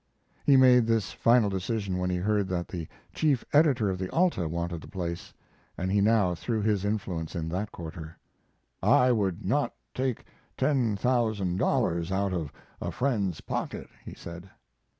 He made this final decision when he heard that the chief editor of the Alta wanted the place, and he now threw his influence in that quarter. "I would not take ten thousand dollars out of a friend's pocket," he said.